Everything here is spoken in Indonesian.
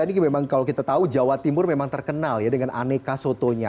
ini memang kalau kita tahu jawa timur memang terkenal ya dengan aneka sotonya